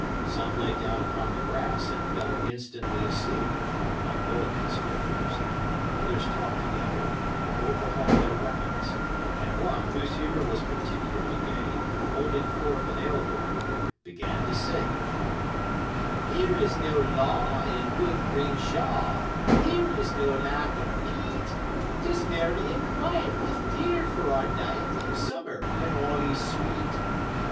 Some lay down upon the grass and fell instantly asleep, like boa constrictors; others talked together, or overhauled their weapons: and one, whose humour was particularly gay, holding forth an ale horn, began to sing: "Here is no law in good green shaw, Here is no lack of meat; 'Tis merry and quiet, with deer for our diet, In summer, when all is sweet.